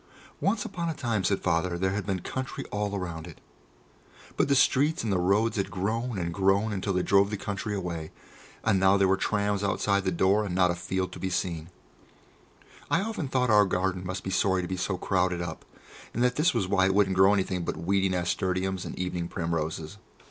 Once upon a time, said Father, there had been country all round it, but the streets and the roads had grown and grown until they drove the country away, and now there were trams outside the door, and not a field to be seen. I often thought that our garden must be sorry to be so crowded up, and that this was why it wouldn't grow anything but weedy nasturtiums and evening primroses.